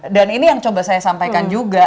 dan ini yang coba saya sampaikan juga